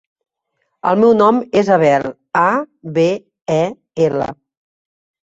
El meu nom és Abel: a, be, e, ela.